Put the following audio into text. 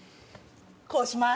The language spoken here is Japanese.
こうします。